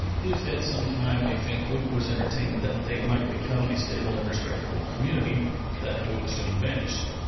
If at some time a faint hope was entertained that they might become a stable and respectable community, that hope soon vanished.